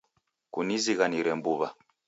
Kunizighanire mbuw'a